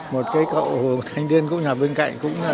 một cái cậu thanh niên cũng ở bên cạnh